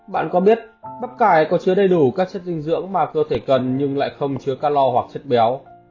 bạn có biết bắp cải có chứa đầy đủ các chất dinh dưỡng mà cơ thể cần nhưng lại không chứa calor hoặc chất béo